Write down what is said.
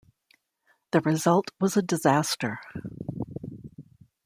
The result was a disaster.